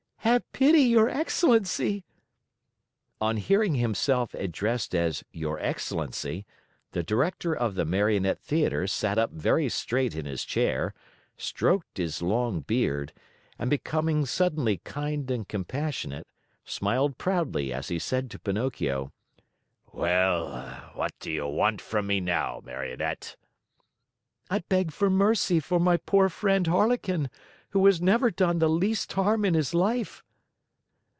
"Have pity, your Excellency!" On hearing himself addressed as your Excellency, the Director of the Marionette Theater sat up very straight in his chair, stroked his long beard, and becoming suddenly kind and compassionate, smiled proudly as he said to Pinocchio: "Well, what do you want from me now, Marionette?" "I beg for mercy for my poor friend, Harlequin, who has never done the least harm in his life."